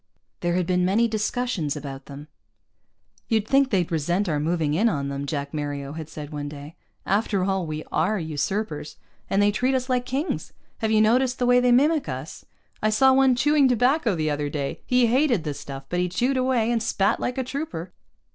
There had been many discussions about them. "You'd think they'd resent our moving in on them," Jack Mario had said one day. "After all, we are usurpers. And they treat us like kings. Have you noticed the way they mimic us? I saw one chewing tobacco the other day. He hated the stuff, but he chewed away, and spat like a trooper."